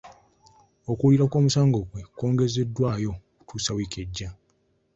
Okuwulirwa kw'omusango gwe kwongezeddwayo okutuusa wiiki ejja.